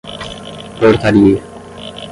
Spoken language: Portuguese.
portaria